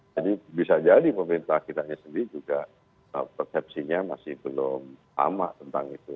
jadi bisa jadi pemerintah kita sendiri juga persepsinya masih belum sama tentang itu